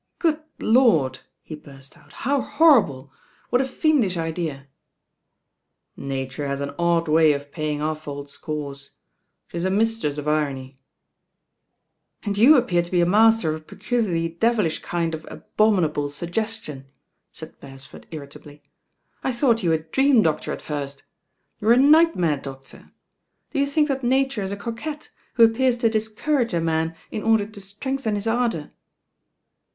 "Good Lord I" he Burst out "How horrible I What a fiendish idea." 1 •• TH3 RAIN OIRL •Witure hit «n odd wty of paying off old icoret. She*t a miitrets of irony." A "^1? J"*"! 'f*^*' *°«•"'••^«'' o^ » peculiarly de^iih kind of abominable auggettion," .aid Berea ford irntably. "I thought you a dream^loctor at firit youre a nightmare^octor I Do you think that Nature » a coquette, who appears to discourage « man m order to strengthen his ardour?"